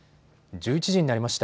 １１時になりました。